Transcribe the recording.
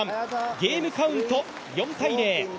ゲームカウント４−０。